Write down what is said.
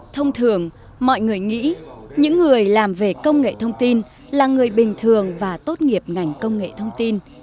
thông thường mọi người nghĩ những người làm về công nghệ thông tin là người bình thường và tốt nghiệp ngành công nghệ thông tin